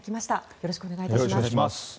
よろしくお願いします。